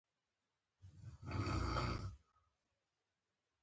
ما ورته وویل تاسي ویل چې تاسي هوښیار نه یاست.